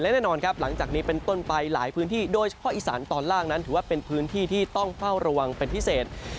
และแน่นอนครับหลังจากนี้เป็นต้นไปหลายพื้นที่โดยเฉพาะอีสานตอนล่างนั้นถือว่าเป็นพื้นที่ที่ต้องเฝ้าระวังเป็นพิเศษ